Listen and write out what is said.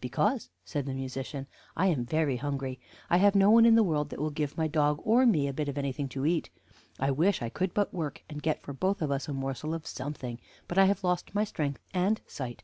"'Because,' said the musician, 'I am very hungry. I have no one in the world that will give my dog or me a bit of of anything to eat. I wish I could but work, and get for both of us a morsel of something; but I have lost my strength and sight.